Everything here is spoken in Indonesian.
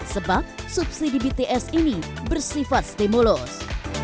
sebab subsidi bts ini bersifat stimulus